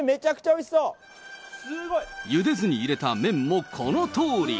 ゆでずに入れた麺もこのとおり。